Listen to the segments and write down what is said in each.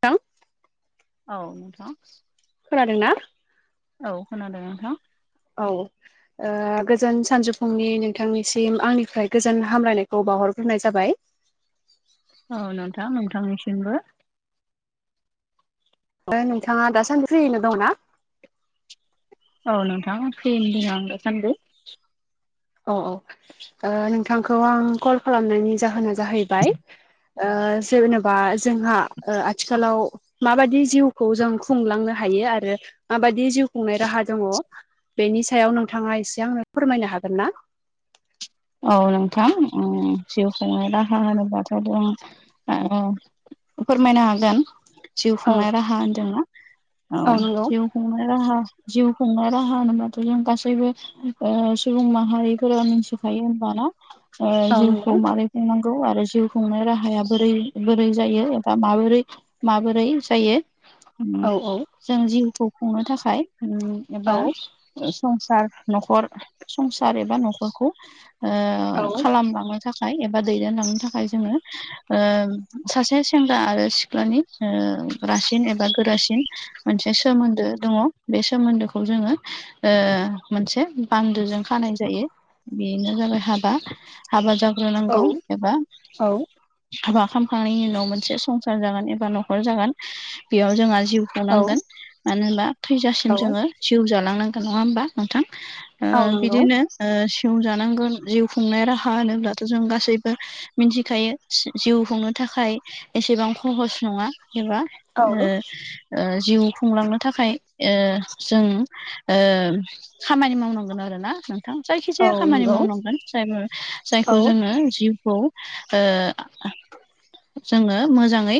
थां औ नोंथां। खोनादों ना? औ खोनादों नोंथां। औ। ओ गोजोन सानजौफुंनि नोंथांनिसिम आंनिफ्राय गोजोन हामलायनायखौ बावहरग्रोनाय जाबाय। औ नोंथां नोंथांनिसिमबो। ओ नोंथाङा दासान्दि फ्रियैनो दं ना? औ नोंथां फ्रियैनो दोङो आं दासान्दि। औ औ ओ नोंथांखौ आं कल खालामनायनि जाहोना जाहैबाय ओ जोनोबा जोंहा ओ आथिखालाव माबादि जिउखौ जों खुंलांनो हायो आरो माबादि जिउ खुंनाय राहा दङ बेनि सायाव नोंथाङा एसे आंनो फोरमायनो हागोन ना? औ नोंथां ओम जिउ खुंनाय राहा होनोबाथ' ओम फोरमायनो हागोन जिउ औ खुंनाय राहा होनदोंना औ जिउ खुंनाय राहा जिउ खुंनाय राहा होनोबाथ' जों गासैबो ओ सुबुं माहारिफोरा मिथिखायो होनबाना ओ औ नंगौ जिउखौ मारै खुंनांगौ आरो जिउ खुंनो राहाया बोरै बोरै जायो एबा माबोरै माबोरै जायो? ओम औ जों जिउखौ खुंनो थाखाय ओम औ एबा संसार न'खर संसार एबा न'खरखौ ओ औ खालामलांनो थाखाय एबा दैदेनलांनो थाखाय जोङो ओ सासे सेंग्रा आरो सिख्लानि ओ रासिन एबा गोरासिन मोनसे सोमोन्दो दङ बे सोमोन्दोखौ जोङो ओ मोनसे बानदोजों खानाय जायो बेनो जाबाय हाबा हाबा जा ग्रोनांगौ एबा हाबा खालामखांनायनि उनाव मोनसे संसार जागोन एबा न'खर जागोन बेयाव जोंहा जिउ औ खुंनांगोन मानो होनबा थैजासिम जोङो जिउ जालांनांगोन नङा होमबा नोंथां? ओ औ नंगौ बिदिनो ओ सिउ जानांगोन जिउ खुंनाय राहा होनोब्लाथ' जों गासैबो मिथिखायो जिउ खुंनो थाखाय एसेबां खहस नङा एबा औ ओ ओ जिउ खुंलांनो थाखाय ओ जों ओ खामानि मावनांगोन आरोना नोंथां औ जायखिजाया खामानि नंगौ मावनांगोन जायफोर औ जायखौ जोङो जिउखौ ओ जोङो मोजाङै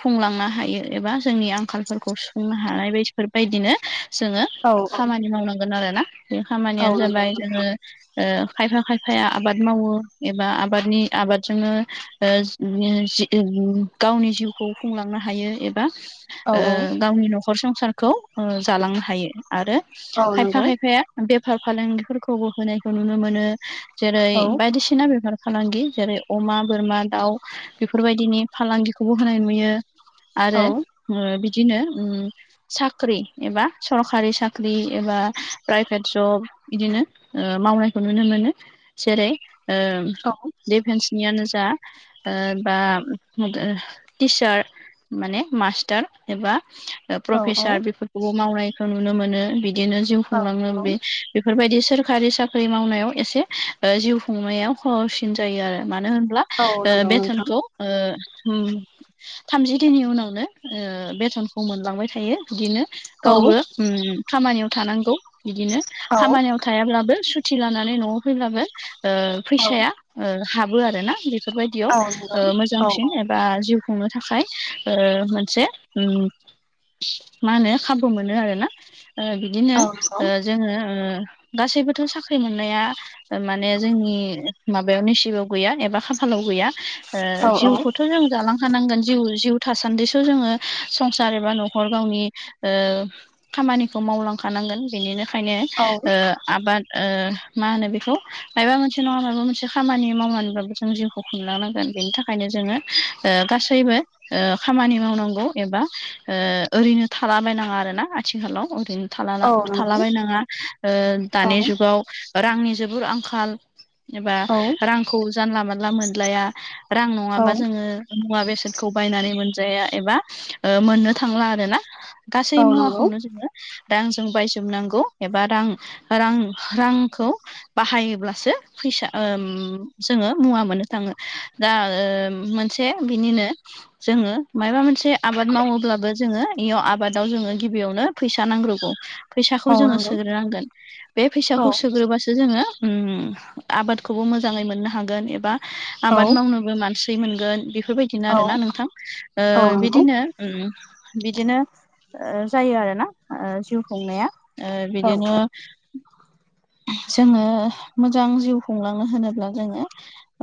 खुंलांनो हायो एबा जोंनि आंखालफोरखौ सुफुंनो हानाय बेफोरबायदिनो जोङो औ खामानि मावनांगोन आरोना बे औ खामानियानो नंगौ जाबाय जोङो नोंथां ओ खायफा खायफाया आबाद मावो एबा आबादनि आबादजोंनो ओ [unintelligible] गावनि जिउखौ खुंलांनो हायो एबा औ ओ औ गावनि न'खर संसारखौ ओ जालांनो हायो आरो औ खायफा नंगौ खायफाया बेफार फालांगिफोरखौबो होनायखौ नुनो मोनो जेरै औ बायदिसिना बेफार फालांगि जेरै अमा बोरमा दाउ बेफोरबायदिनि फालांगिखौबो होनाय नुयो। औ आरो बिदिनो ओ साख्रि एबा सरखारि साख्रि एबा प्राइभेट जब बिदिनो ओ मावनायखौ नुनो मोनो जेरै ओ औ डिफेन्सनियानो जा ओ बा इदि टिसार माने मास्टार एबा ओ औ नंगौ प्रफेसार बेफोरखौबो मावनायखौ नुनो मोनो बिदिनो जिउ खुंलाङो बे बेफोरबायदि सोर सरखारि साख्रि मावनायाव एसे जिउ खुंनायाव हर'सिन जायो आरो मानो होनब्ला औ ओ नंगौ नोंथां बेथनखौ ओ उम थामजि दिननि उनावनो बेथनखौ मोनलांबाय थायो बिदिनो। औ गावबो ओम खामानियाव थानांगौ बिदिनो औ खामानियाव थायाब्लाबो सुथि लानानै न'आव फैब्लाबो ओ औ फैसाया हाबो आरोना बे फोरबायदियाव औ नंगौ औ ओ मोजांसिन नंगौ ए बा जिउ खुंनो थाखाय ओ मोनसे ओ मा होनो खाबु मोनो आरोना। ओ बि औ नंगौ औ नंगौ औ नंगौ औ नंगौ औ नंगौ औ दिनो ओ जोङो ओ गासैबोथ' साख्रि मोननाया माने जोंनि माबायाव नसिबाव गैया एबा खाफालाव गैया ओ नंगौ औ नंगौ औ जिउखौ थ' जों जालांखानांगोन जिउ जिउ थासान्दि स' जोङो संसार एबा न'खर गावनि ओ खामानिखौ मावलांखानांगोन बेनिनिखायनो ओ आबाद ओ मा होनो बेखौ मायबा मोनसे नङा माबा मोनसे खामानि मावनानैब्लाबो जों जिउ खौ खुंलांनांगोन बेनि थाखायनो जोङो ओ गासैबो ओ खामानि मावनांगौ एबा ओ ओरैनो थालाबायनाङा आरोना आथिखालाव ओरैनो थालाला थालाबायनाङा दानि जुगाव रांनि जोबोर आंखाल। एबा रांखौ जानला मोनाला मोनलाया रां नङाबा जोङो मुवा बेसादखौ बायनानै मोनजाया एबा ओ मोननो थांला आरोना। गासै मुवाखौनो जोङो रांजों बायजोबनांगौ एबा रां रां रांखौ बाहायोब्लासो फैसा ओम जोङो मुवा मोननो थाङो। दा ओ मोनसे बेनिनो जोङो मायबा मोनसे आबाद मावोब्लाबो जोङो इयाव आबादाव जोङो गिबियावनो फैसा नांग्रोगौ। फैसाखौ जोङो सोग्रोनांगोन बे फैसाखौ सोग्रो बासो जोङो आबादखौबो मोजाङै मोननो हागोन एबा आबाद मावनोबो मानसि मोनगोन बेफोरबायदिनो आरोना नोंथां। ओ बिदिनो ओम बिदिनो ओ जायो आरोना जिउ खुंनाया। ओ बिदिनो जोङो मोजां जिउ खुंलांनो होनोब्ला जोङो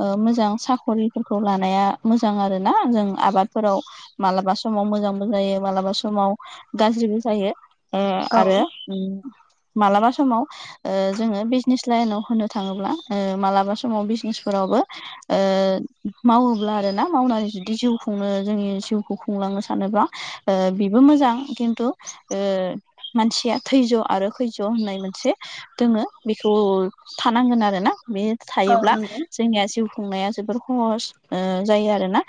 ओ मोजां साख'रिफोरखौ लानाया मोजां आरो ना जों आबादफोराव मालाबा समाव मोजांबो जायो मालाबा समाव गाज्रिबो जायो। ओ आरो मालाबा समाव ओ जोङो बिजनेस लाइनाव होनो थाङोब्ला ओ मालाबा समाव बिजनेसफोरावबो ओ मावोब्ला आरोना मावनानै जुदि जिउ खुंनो जोंनि जिउखौ खुंलांनो सानोबा बिबो मोजां खिन्थु मानसिया थैज' आरो खैज्य' होननाय मोनसे दोङो बेखौ थानांगोन आरोना बे थायोब्ला जोंनिया जिउ खुंनाया जोबोर सहस जायो आरोना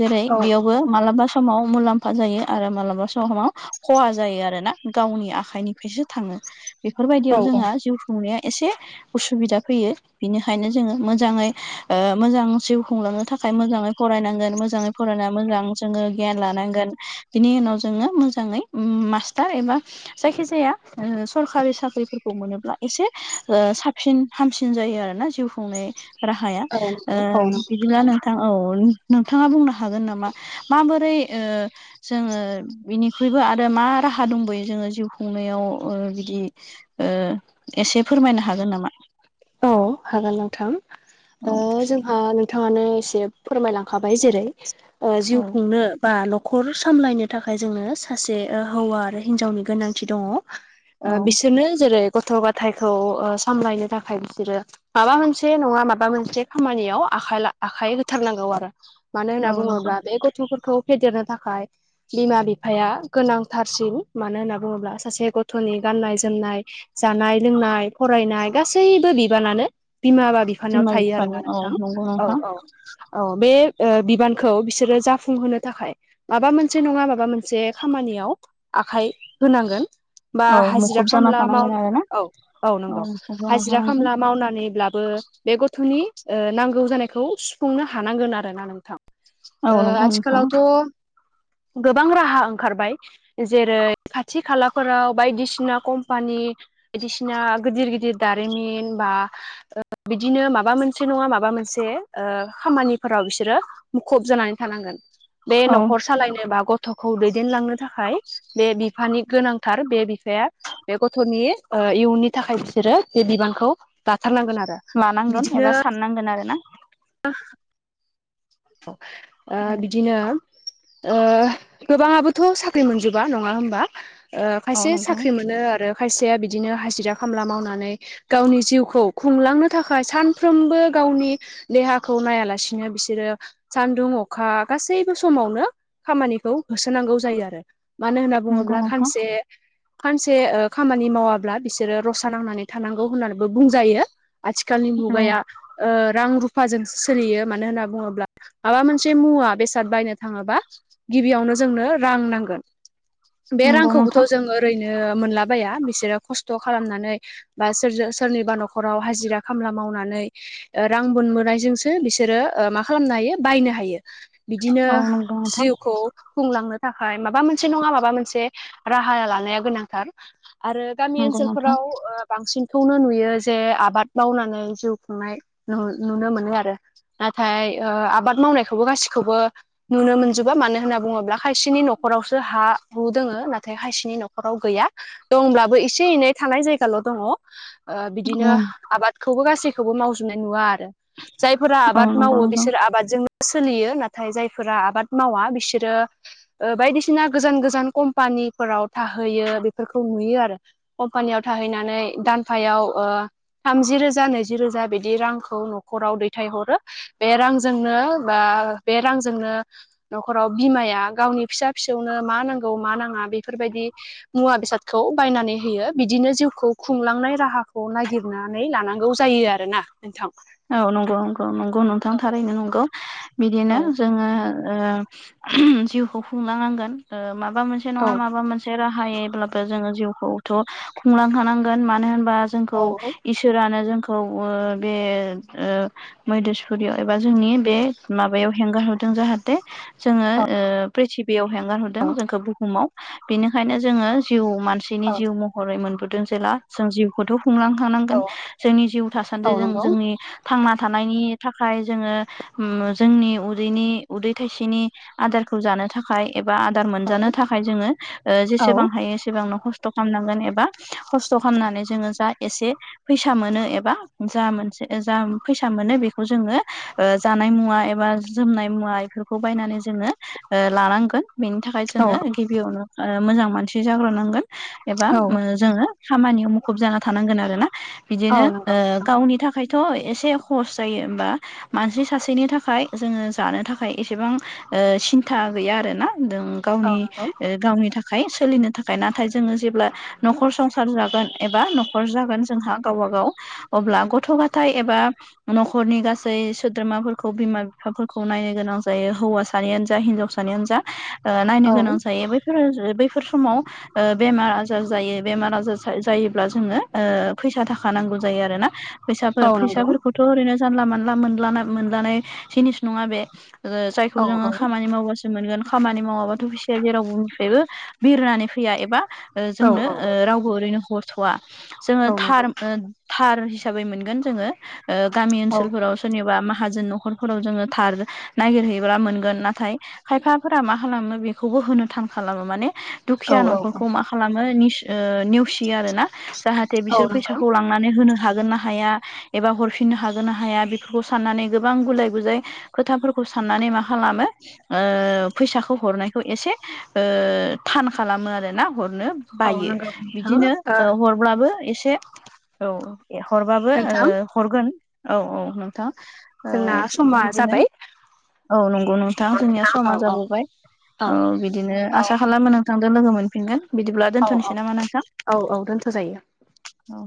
जेरै बेयाव मालाबा समाव मुलाम्फा जायो आरो मालाबा समाव खहा जायो आरो ना गावनि आखाइनिफ्रायसो थाङो बेफोरबायदियाव जोंहा जिउ बुंंनाया एसे उसुबिदा फैयो बिनिखायनो जोङो मोजाङै मोजां जिउ खुंलांनो थाखाय मोजाङै फरायनांगोन मोजाङै फरायना मोजां जोङो गियान लानांगोन बिनि उनाव जोङो मोजाङै मास्टार एबा जायखिजाया सरकारि साख्रि खौ मोनोब्ला एसे साबसिन हामसिन जायो आरोना जिउ खुंनाय राहाया ओ बिदिब्लानो नोंथां औ नोंथाङा बुंनो हागोन नामा माबोरै जोङो बिनिख्रुइबो आरो मा राहा दंबयो जोङो जिउ खुंनायाव बिदि एसे फोरमायनो हागोन नामा औ हागोन नोंथां औ ओ जोंहा बिथाङानो एसे फोरमायलांखाबाय जेरै औ जिउ खुंनो बा न'खर सामलायनो थाखाय जोंनो सासे हौवा आरो हिनजावनि गोनांथि दङ औ बिसोरनो जेरै गथ' गथायखौ सामलायनो थाखाय बिसोरो माबा मोनसे नङा माबा मोनसे खामानियाव आ आखाइ होथारनांगौ आरो मानो होनना औ नंगौ बुङोब्ला बे गथ'फोरखौ फेदेरनो थाखाय बिमा बिफाया गोनांथारसिन मानो होनना बुङोब्ला सासे गथ'नि गाननाय जोमनाय जानाय लोंनाय फरायनाय गासैबो बिबानानो बिमा बा बिफानाव बिमा थायो बिफानि आरोना औ नोंथां नंगौ औ नोंथां औ औ बे बिबानखौ बिसोरो जाफुंहोनो थाखाय माबा मोनसे नङा माबा मोनसे खामानियाव आखाइ होनांगोन बा औ हाजिरा मुखुब जाना खामला थानांगोन मावना आरो ना औ औ नंगौ मुखुब जाना हाजिरा थानांगोन खामला मावनानैब्लाबो बे गथ'नि नांगौ जानायखौ सुफुंनो हानांगोन आरोना नोंथां औ नंगौ नोंथां आथिखालावथ' गोबां राहा ओंखारबाय जेरै खाथि खालाफोराव बायदिसिना कम्पानि बायदिसिना गिदिर गिदिर दारिमिन बा ओ बिदिनो माबा मोनसे नङा माबा मोनसे खामानिफोराव बिसोरो मुखुब जानानै थानांगोन बे औ न'खर सालायनो बा गथ'खौ दैदेनलांनो थाखाय बे बिफानि गोनांथार बे बिफाया बे गथ'नि इयुननि थाखाय बिसोरो बे बिबानखौ लाथारनांगोन आरो। लानांगोन बिदिनो एबा साननांगोन आरो ना [unintelligible] ओ औ बिदिनो ओ गोबाङाबोथ' साख्रि मोनजोबा नङा होमबा? ओ औ खायसे नंगौ साख्रि मोनो आरो खायसेया बिदिनो हाजिरा खामला मावनानै गावनि जिउखौ खुंलांनो थाखाय सानफ्रोमबो गावनि देहाखौ नायालासिनो बिसोरो सानदुं अखा गासैबो समावनो खामानिखौ होसोनांगौ जायो आरो। मानो होनना नंगौ बुङोब्ला नोंथां खानसे सानसे ओ खामानि मावाब्ला बिसोरो रसा नांनानै थानांगौ होननानैबो बुंजायो। आथिखालनि औ मुगाया ओ रां रुफाजोंसो सोलियो मानो होनना बुङोब्ला माबा मोनसे मुवा बेसाद बायनो थाङोबा गिबियावनो जोंनो रां नांगोन बे नंगौ रांखौबोथ' नोंथां जों ओरैनो मोनलाबाया बिसोरो खस्थ' खालामनानै बा सोरजो सोरनिबा न'खराव हाजिरा खामला मावनानै [inaudible] बिदिनो औ नंगौ नोंथां जिउखौ खुंलांनो थाखाय माबा मोनसे नङा माबा मोनसे राहा लानाया गोनांथार, आरो गामि नंगौ नोंथां ओनसोलफोराव ओ बांसिनखौनो नुयो जे आबाद मावनानै जिउ खुंनाय नु-नुनो मोनो आरो। नाथाय ओ आबाद मावनायखौबो गासिखौबो नुनो मोनजोबा। मानो होनना बुङोब्ला खायसेनि न'खरावसो हा हु दोङो नाथाय खायसेनि न'खराव गैया। दंब्लाबो एसे एनै थानाय जायगाल' दङ। ओ बिदिनो औ आबादखौबो गासैखौबो मावजोबनाय नुवा आरो। जायफोरा औ आबाद नंगौ मावो नोंथां बिसो आबादजोंनो सोलियो नाथाय जायफोरा आबाद मावा बिसोरो ओ बायदिसिना गोजान गोजान कम्पानिफोराव थाहैयो बेफोरखौ नुयो आरो। कम्पानियाव थाहैनानै दानफायाव ओ थामजि रोजा नैजि रोजा बिदि रांखौ न'खराव दैथायहरो, बे रांजों जोंनो बा बे रांजोंनो न'खराव बिमाया गावनि फिसा फिसौनो मा नांगौ मा नाङा बेफोरबायदि मुवा बेसादखौ बायनानै होयो बिदिनो जिउखौ खुंलांनाय राहाखौ नागिर बुथुमनानै लानांगौ जायो आरो ना नोंथां। औ नंगौ नंगौ नंगौ नोंथां औ थारैनो नंगौ। बिदिनो जोङो ओ जिउखौ खुंलनांगोन ओ माबा मोनसे मोनसे औ नङा माबा मोनसे राहायैब्लाबो जोङो जिउखौथ' खुंलांखानांगोन मानो होनबा जोंखौ औ इसोरानो जोंखौ ओ बे मैधेसपुरियाव एबा जोंनि बे माबायाव हेंगार हरदों जाहाथे जोङो ओ प्रिथिबियाव हेंगारहरदों औ जोंखौ बुहुमाव बिनिखायनो जोङो जिउ मानसिनि जिउ मह हरै मोनबोदों जेला जों जिउखौथ' औ खुंलांखानांगोन, जोंनि जिउ औ थासान्दि जों नंगौ जोंनि थांना थानायनि थाखाय जोङो उम जोंनि उदैनि उदै थाइसेनि आदारखौ जानो थाखाय एबा आदार मोनजानो थाखाय जोङो ओ औ जेसेबां हायो एसेबांनो खस्थ' थ खालामनांगोन एबा खस्थ' खालामनानै जोङो जा एसे फैसा मोनो एबा जा मोनसे जा फैसा मोनो बेखौ जोङो ओ जानाय मुवा एबा जोमनाय मुवा बेफोरखौ बायनानै जोङो ओ लानांगोन बेनि थाखाय औ जोङो गिबियावनो ओ मोजां मानसि जाग्रोनांगोन एबा औ ओ जोङो खामानियाव मुखुब जाना थानांगोन आरोना बिदिनो औ नंगौ ओ नोंथां गावनि था थ' एसे हस जायो होनबा मानसि सासेनि थाखाय जोङो जानो थाखाय एसेबां ओ सिन्था गैया आरो ना। जों औ गावनि नंगौ ओ गावनि थाखाय सोलिनो थाखाय नाथाय जोङो जेब्ला न'खर संसार जागोन एबा न'खर जागोन जोंहा गावबा गाव अब्ला गथ' गथ ग'थाय एबा न'खरनि गासै सोद्रोमाफोरखौ बिमा बिफाफोरखौ नायनो गोनां जायो हौवाासानियानो जा हिनजावसा सानियानोजा ओ नायनो औ गोनां जायो बैफोर बैफोर समाव ओ बेमार आजार जायो, बेमार आजार जायोब्ला जोङो ओ जोंनो फैसा थाखा नांगौ जायो आरो ना। फैसा औ नंगौ फैसाफोरखौथ' ओरैनो जानला मानला मोनला मोनलानाय जिनिस नङा बे ओ जायखौ औ जोङो खामानि मावगासि बासो मोनगोन खामानि मावाबाथ' फैसाया जेरावनिफ्रायबो बिरनानै फैया एबा ओ औ जोंनो ओ औ रावबो ओरैनो हरथ'वा जोङो औ थार नंगौ ओह थार हिसाबै मोनगोन जोङो ओ गामि औ ओनसोलफोराव सोरनिबा माहाजोन न'खरफोराव जोङो थार नागिरहैयोब्ला मोनगोन नाथाय खायफाफोरा मा खालामो बेखौबो होनो थान खालामो माने औ दुखिया औ औ न'खरखौ मा खालामो निस ओ नेवसियो आरो ना जाहाथे औ बिसोर नंगौ फैसाखौ लां नानै होनो हागोन ना हाया एबा हरफिननो हागोन ना हाया बेफोरखौ साननानै गोबां गुलाय गुजाय खोथाफोरखौ साननानै मा खालामो ओ फैसाखौ हरनायखौ एसे ओह थान खालामो आरो ना हरनो औ बायो। नंगौ नोंथां बिदिनो ओ हरब्लाबो एसे औ हरबाबो ओ नोंथां हरगोन औ औ नोंथां जोंना ओह समा बिदिनो जाबाय औ नंगौ नोंथां, जोंनिया औ समा औ औ जाबोबाय। औ बिदिनो आसा औ खालामो नों थांदो लोगो मोनफिनगोन। बिदिब्ला औ दोन्थ'नोसै नामा नोंथां? औ औ दोनथ' जायो औ।